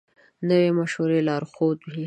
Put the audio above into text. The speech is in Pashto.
نوی مشوره لارښود وي